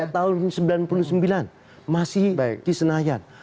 tahun seribu sembilan ratus sembilan puluh sembilan masih di senayan